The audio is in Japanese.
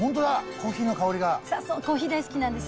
コーヒーの香コーヒー大好きなんです。